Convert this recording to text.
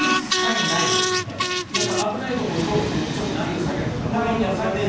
危ないと思うとちょっと難易度を下げるとかやめる。